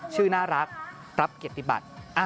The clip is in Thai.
ชื่อน่ารักรับเกียรติบัติ